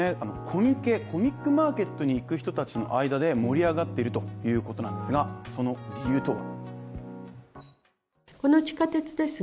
コミケ＝コミックマーケットに行く人たちの間で盛り上がってるということなんですがその理由とは？